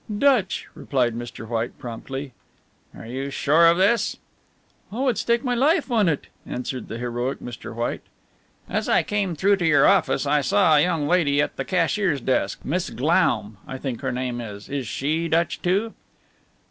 "Dutch," replied Mr. White promptly. "Are you sure of this?" "I would stake my life on it," answered the heroic Mr. White. "As I came through to your office I saw a young lady at the cashier's desk Miss Glaum, I think her name is. Is she Dutch, too?"